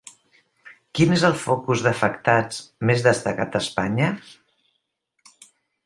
Quin és el focus d'afectats més destacat a Espanya?